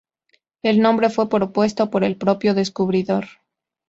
El nombre fue propuesto por el propio descubridor.